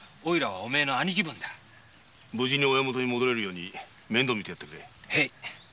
無事に親元へ戻れるように面倒をみてやってくれ。